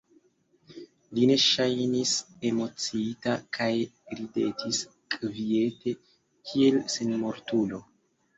Li ne ŝajnis emociita, kaj ridetis kviete, kiel senmortulo.